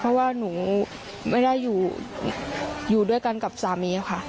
เพราะว่าหนูไม่ได้อยู่ด้วยกันกับสามีค่ะ